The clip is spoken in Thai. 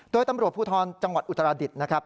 โดยตำรวจภูทรจังหวัดอุตรดิษฐ์นะครับ